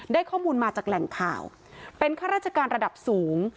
ข้อมูลมาจากแหล่งข่าวเป็นข้าราชการระดับสูง